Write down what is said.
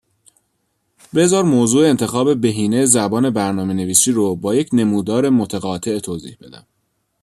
بذار موضوع انتخاب بهینه زبان برنامه نویسی رو با یک نمودار متقاطع توضیح بدم.